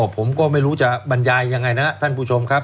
ผมก็ไม่รู้จะบรรยายยังไงนะท่านผู้ชมครับ